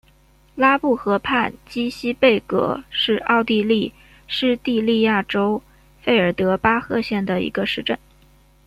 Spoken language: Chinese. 拉布河畔基希贝格是奥地利施蒂利亚州费尔德巴赫县的一个市镇。